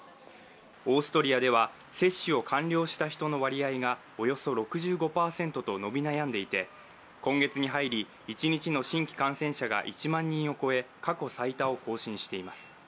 オーストリアでは接種を完了した人の割合がおよそ６５％と伸び悩んでいて今月に入り、一日の新規感染者が１万人を超え過去最多を更新しています。